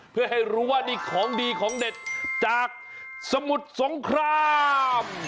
เพื่อให้รู้ว่านี่ของดีของเด็ดจากสมุทรสงคราม